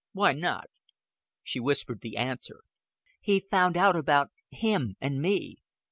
"Why not?" She whispered the answer. "He found out about him and me."